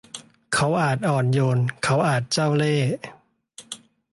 เขาอาจอ่อนโยน เขาอาจเจ้าเลห์